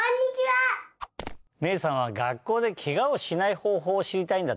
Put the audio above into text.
めいさんは学校でケガをしないほうほうを知りたいんだって？